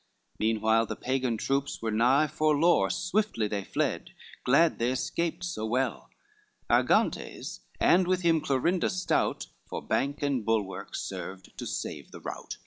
Meanwhile the Pagan troops were nigh forlore, Swiftly they fled, glad they escaped so well, Argantes and with him Clorinda stout, For bank and bulwark served to save the rout.